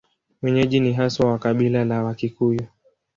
Wenyeji ni haswa wa kabila la Wakikuyu.